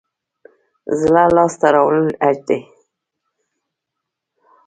زړه لاس ته راوړل حج دی